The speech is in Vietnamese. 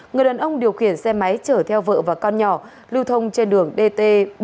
người đàn ông điều khiển xe máy chở theo vợ và con nhỏ lưu thông trên đường dt bảy trăm bốn mươi một